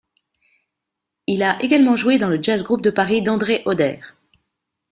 Il a également joué dans le Jazz-Groupe de Paris d'André Hodeir.